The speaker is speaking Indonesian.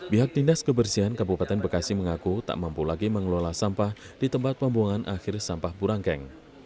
pihak dinas kebersihan kabupaten bekasi mengaku tak mampu lagi mengelola sampah di tempat pembuangan akhir sampah burangkeng